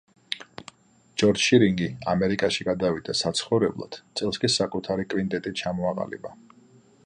ჯორჯ შირინგი ამერიკაში გადავიდა საცხოვრებლად, წელს კი საკუთარი კვინტეტი ჩამოაყალიბა.